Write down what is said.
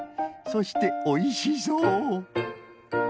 そしておいしそう。